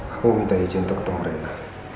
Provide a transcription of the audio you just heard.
aku minta izin untuk ketemu mereka